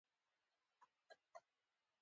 لومړنیو احکامو ته وفاداري.